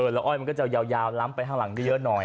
แล้วน้ำอ้อยมันจะมาห้างหลังเยอะน้อย